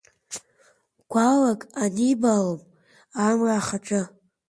Гәалак анибаалом Амра ахаҿы.